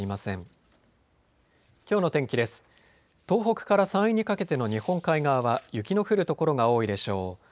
東北から山陰にかけての日本海側は雪の降る所が多いでしょう。